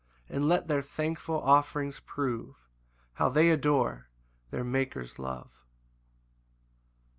And let their thankful offerings prove How they adore their Maker's love.